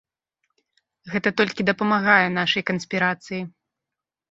Гэта толькі дапамагае нашай канспірацыі.